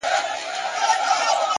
هوښیار فکر د راتلونکي لپاره چمتو وي.!